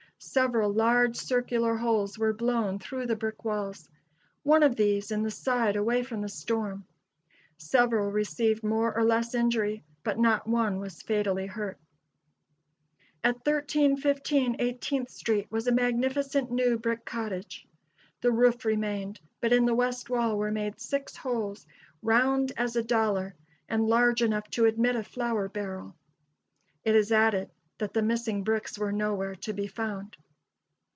Several large circular holes were blown through the brick walls; one of these in the side away from the storm. Several received more or less injury, but not one was fatally hurt. At 1315 Eighteenth street, was a magnificent new brick cottage. The roof remained, but in the west wall were made "six holes, round as a dollar, and large enough to admit a flour barrel." It is added that the missing bricks were nowhere to be found.